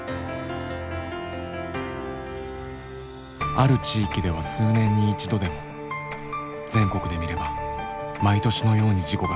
ある地域では数年に一度でも全国で見れば毎年のように事故が発生。